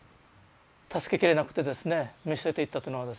助けきれなくてですね見捨てていったというのはですね。